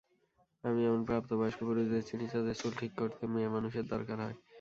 আমি এমন প্রাপ্তবয়স্ক পুরুষদের চিনি যাদের চুল ঠিক করতে মেয়েমানুষের দরকার হয়।